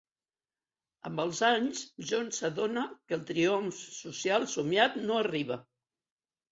Amb els anys, John s'adona que el triomf social somiat no arriba.